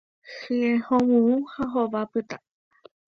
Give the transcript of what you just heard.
Hye hovyũ ha hova pytã.